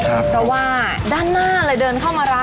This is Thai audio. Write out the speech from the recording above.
เพราะว่าด้านหน้าเลยเดินเข้ามาร้าน